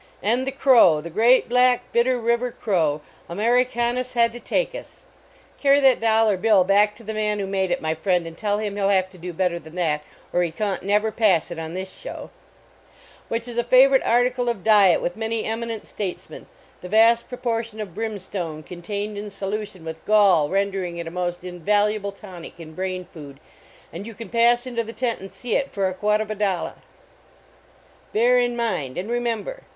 And the crow, the great black Bitter River Crow, Americanushadtotakns carry that dol lar bill back to the man who made it, my friend, and tell him he ll have to do better than that or he cawn t never pass it on this show which is a favorite article of diet with many eminent statesmen, the vast proportion of brimstone contained in solution with gall rendering it a most invaluable tonic and brain food, and you can pass into the tent and see it for a quatovadollah ! Bear in mind and remember!